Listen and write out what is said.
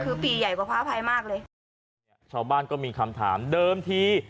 คือปีใหญ่กว่าพระอภัยมากเลยเนี่ยชาวบ้านก็มีคำถามเดิมที